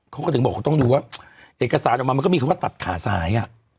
เขาก็ถึงบอกเขาต้องดูว่าเอกสารออกมามันก็มีคำว่าตัดขาซ้าย